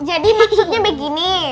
jadi maksudnya begini